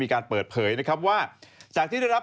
การเปิดเผยนะครับว่าจากที่ได้รับ